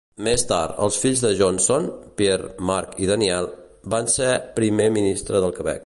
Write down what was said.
Més tard, els fills de Johnson, Pierre-Marc i Daniel, van ser primer ministre del Quebec.